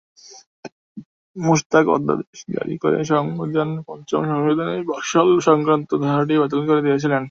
মোশতাক অধ্যাদেশ জারি করে সংবিধানের পঞ্চম সংশোধনীর বাকশাল-সংক্রান্ত ধারাটি বাতিল করে দিয়েছিলেন।